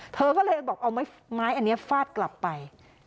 เธอก็เลยบอกเอาไม้อันนี้ฟาดกลับไป